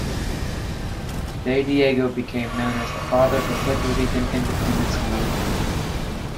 De Diego became known as the "Father of the Puerto Rican Independence Movement".